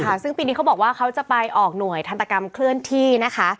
ค่ะซึ่งปีนี้เขาบอกว่าเขาจะไปออกหน่วยทันตกรรมเคลื่อนที่นะคะ